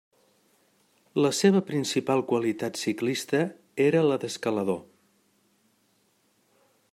La seva principal qualitat ciclista era la d'escalador.